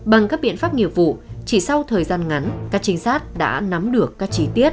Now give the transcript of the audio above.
bằng các biện pháp nghiệp vụ chỉ sau thời gian ngắn các trinh sát đã nắm được các trí tiết